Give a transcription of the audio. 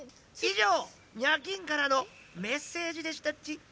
いじょう「ニャキーン！」からのメッセージでしたっち。